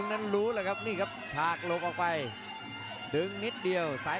เอาละครับกลับมันดึงหลบได้